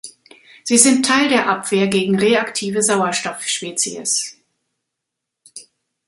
Sie sind Teil der Abwehr gegen reaktive Sauerstoffspezies.